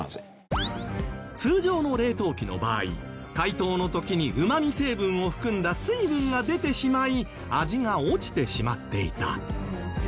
通常の冷凍機の場合解凍の時にうまみ成分を含んだ水分が出てしまい味が落ちてしまっていた。